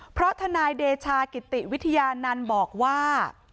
เพราะทนายเดชากิติวิทยานันต์บอกว่า